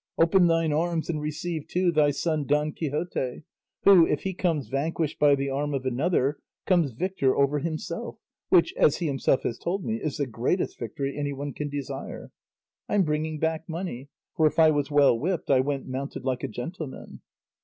Open thine arms and receive, too, thy son Don Quixote, who, if he comes vanquished by the arm of another, comes victor over himself, which, as he himself has told me, is the greatest victory anyone can desire. I'm bringing back money, for if I was well whipped, I went mounted like a gentleman."